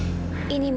murni untuk kamu